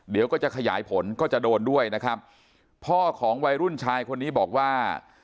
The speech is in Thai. เดี๋ยวก็จะขยายผลก็จะโดนด้วยนะครับพ่อของวัยรุ่นชายคนนี้บอกว่า